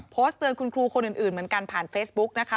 โพสต์เตือนคุณครูคนอื่นเหมือนกันผ่านเฟซบุ๊กนะคะ